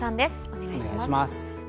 お願いします。